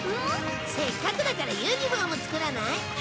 せっかくだからユニホーム作らない？